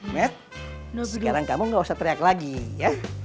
matt sekarang kamu nggak usah teriak lagi ya